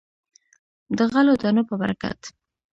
د غلو دانو په برکت.